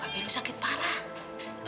babi lu sakit parah